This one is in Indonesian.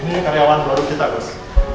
ini karyawan baru kita gus